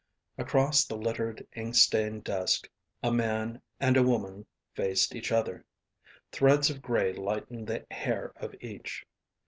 Across the littered, ink stained desk a man and a woman faced each other. Threads of gray lightened the hair of each.